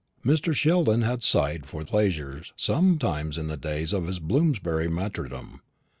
Mr. Sheldon had sighed for pleasures sometimes in the days of his Bloomsbury martyrdom.